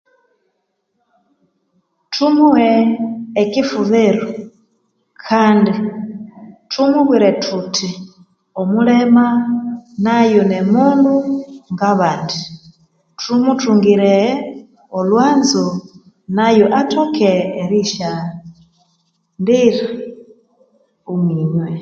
Thumuhe ekyifuviro kandi thumubwire thuthi omulema nayo ni mundu nga bandi thumuthungireghe olhwanzo nayo athoke eriyisyandira omwinywe